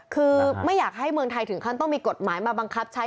คือไม่อยากให้เมืองไทยถึงขั้นต้องมีกฎหมายมาบังคับใช้